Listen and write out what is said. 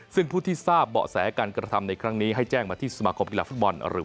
ซึ่งผู้ที่ทราบเบาะแสการกระทำในครั้งนี้ให้แจ้งมาที่สมาคมกีฬาฟุตบอลหรือ